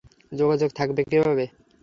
যোগাযোগ থাকবে কীভাবে?